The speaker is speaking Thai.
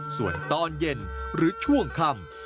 ส่วนตอนเย็นหรือช่วงค่ำ